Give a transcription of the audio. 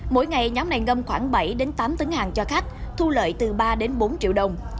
mỗi ngày nhóm này ngâm khoảng bảy tám tấn hàng cho khách thu lợi từ ba bốn triệu đồng